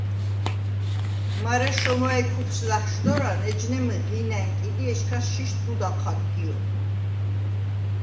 მარე შომვა̈ჲ ქუფს ლა̈ხშდორან, ეჯნემ ღინ ა̈ნკიდ ი ეჩქას შიშდ გუდ აჴად გიო.